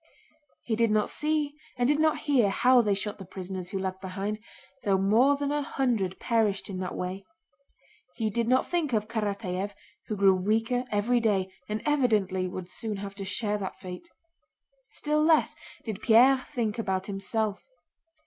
He did not see and did not hear how they shot the prisoners who lagged behind, though more than a hundred perished in that way. He did not think of Karatáev who grew weaker every day and evidently would soon have to share that fate. Still less did Pierre think about himself.